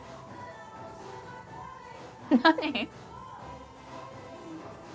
何？